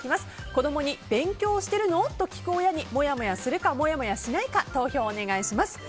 子供に勉強してるの？と聞く親にもやもやするかもやもやしないか投票お願いします。